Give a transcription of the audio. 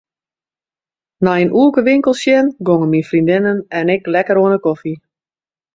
Nei in oerke winkels sjen gongen myn freondinne en ik lekker oan 'e kofje.